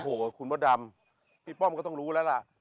โพธิบาลดรรมเพี่ยวพี่ป้อมก็ต้องรู้แล้วล่ะ